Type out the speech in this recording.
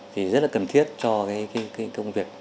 thì rất là cần thiết cho cái công việc